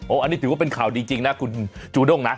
อันนี้ถือว่าเป็นข่าวดีจริงนะคุณจูด้งนะ